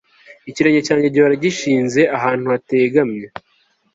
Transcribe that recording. ikirenge cyanjye gihora gishinze ahantu hategamye